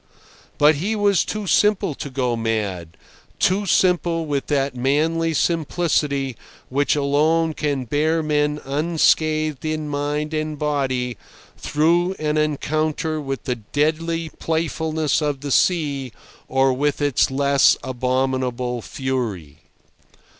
But he was too simple to go mad, too simple with that manly simplicity which alone can bear men unscathed in mind and body through an encounter with the deadly playfulness of the sea or with its less abominable fury.